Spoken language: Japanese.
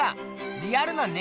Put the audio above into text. リアルなね